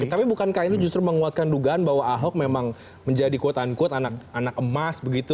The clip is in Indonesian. tapi bukankah ini justru menguatkan dugaan bahwa ahok memang menjadi quote unquote anak anak emas begitu